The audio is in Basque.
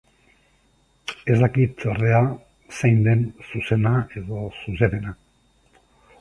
Ez dakit, ordea, zein den zuzena edo zuzenena.